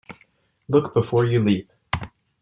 Look before you leap.